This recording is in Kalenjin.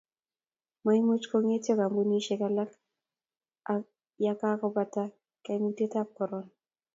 maimuch ko ng'etio kampunisiek alak ya kakubata kaimutietab korona